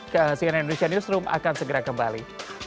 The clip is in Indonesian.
kasihan indonesia newsroom akan segera kembali